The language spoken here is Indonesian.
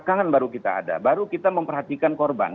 lpsk kan kan baru kita ada baru kita memperhatikan korban